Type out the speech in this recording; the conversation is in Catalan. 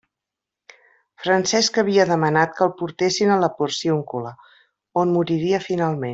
Francesc havia demanat que el portessin a la Porciúncula, on moriria finalment.